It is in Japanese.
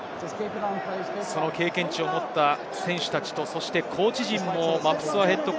その経験値を持った選手たちとコーチ陣もマプスアＨＣ。